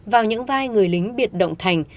vào những vai người lính biệt động thành